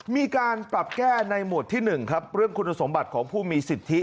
มีการปรับแก้ในหมวดที่๑ครับเรื่องคุณสมบัติของผู้มีสิทธิ